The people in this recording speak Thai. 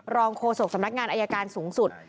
โฆษกสำนักงานอายการสูงสุด